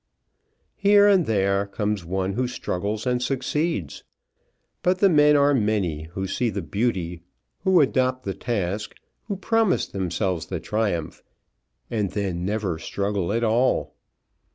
Here and there comes one who struggles and succeeds. But the men are many who see the beauty, who adopt the task, who promise themselves the triumph, and then never struggle at all.